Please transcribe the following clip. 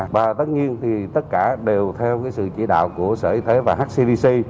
và tất nhiên thì tất cả đều theo sự chỉ đạo của sở y thế và hcm